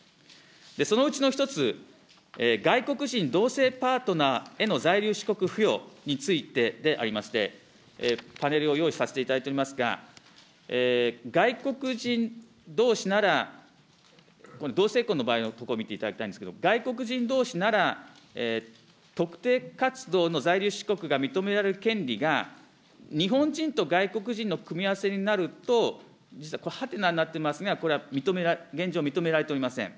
そのうちの１つ、外国人同性パートナーへの在留資格付与についてでありまして、パネルを用意していただいておりますが、外国人どうしなら、同性婚の場合のところを見ていただきたいんですが、外国人どうしなら、特定活動の在留資格が認められる権利が、日本人と外国人の組み合わせになると、実はこれ、？になってますが、これは現状認められておりません。